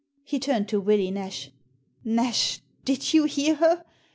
He turned to Willie Nash. * Nash, did you hear her?